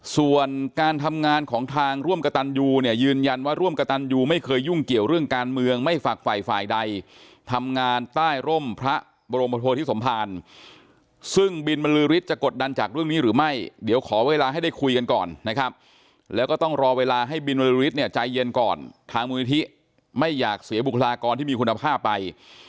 ส่วนการทำงานของทางร่วมกระตันยูเนี่ยยืนยันว่าร่วมกระตันยูไม่เคยยุ่งเกี่ยวเรื่องการเมืองไม่ฝากฝ่ายฝ่ายใดทำงานใต้ร่มพระบรมโพธิสมภารซึ่งบินบรรลือฤทธิจะกดดันจากเรื่องนี้หรือไม่เดี๋ยวขอเวลาให้ได้คุยกันก่อนนะครับแล้วก็ต้องรอเวลาให้บินวรฤทธิเนี่ยใจเย็นก่อนทางมูลนิธิไม่อยากเสียบุคลากรที่มีคุณภาพไป